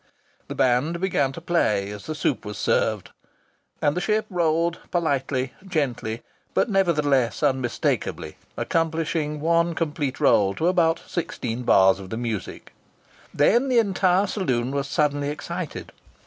The band began to play as the soup was served, and the ship rolled politely, gently, but nevertheless unmistakably, accomplishing one complete roll to about sixteen bars of the music. Then the entire saloon was suddenly excited.